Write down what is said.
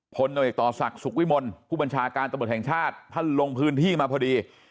โนเอกต่อศักดิ์สุขวิมลผู้บัญชาการตำรวจแห่งชาติท่านลงพื้นที่มาพอดี